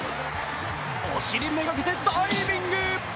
お尻めがけてダイビング。